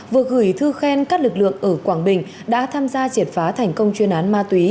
vừa gửi thư khen các lực lượng ở quảng bình đã tham gia triệt phá thành công chuyên án ma túy